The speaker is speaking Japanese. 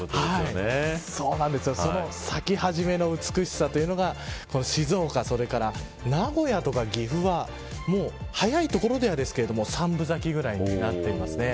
その咲き始めの美しさというのが静岡、それから名古屋とか岐阜は早いところでは三分咲きぐらいになっています。